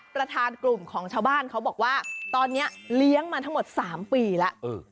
ประธานกลุ่มของชาวบ้านเขาบอกว่าตอนนี้เลี้ยงมาทั้งหมด๓ปีแล้ว